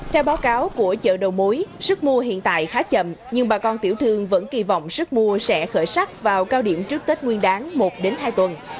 theo báo cáo của chợ đầu mối sức mua hiện tại khá chậm nhưng bà con tiểu thương vẫn kỳ vọng sức mua sẽ khởi sắc vào cao điểm trước tết nguyên đáng một hai tuần